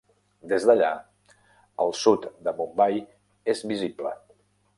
Des d'allà, el sud de Mumbai es visible.